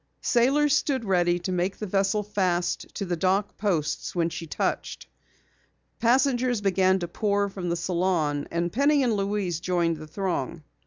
Sailors stood ready to make the vessel fast to the dock posts when she touched. Passengers began to pour from the salon, and Penny and Louise joined the throng.